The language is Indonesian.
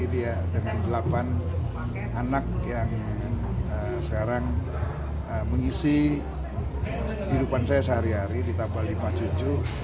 dia dengan delapan anak yang sekarang mengisi kehidupan saya sehari hari ditambah lima cucu